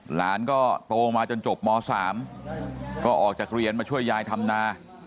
หลานก็โตมาจนจบม๓ก็ออกจากเรียนมาช่วยยายทำนา